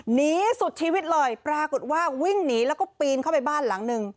หนีสุดชีวิตเลยปรากฏว่าวิ่งหนีแล้วก็ปีนเข้าไปบ้านหลังหนึ่ง